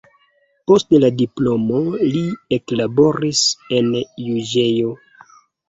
Post la diplomo li eklaboris en juĝejo.